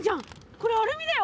これアルミだよ。